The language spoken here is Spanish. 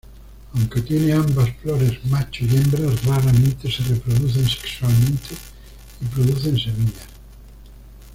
Aunque tiene ambas flores macho y hembra, raramente se reproducen sexualmente y producen semilla.